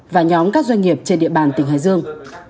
và nhóm các doanh nghiệp trên địa bàn tỉnh hải dương